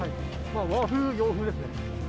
和風、洋風ですね。